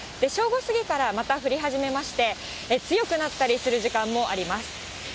正午過ぎからまた降り始めまして、強くなったりする時間もあります。